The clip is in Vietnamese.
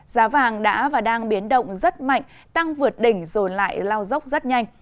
giá vàng đã và đang biến động rất mạnh tăng vượt đỉnh rồi lại lao dốc rất nhanh